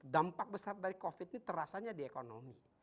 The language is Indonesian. dampak besar dari covid ini terasanya di ekonomi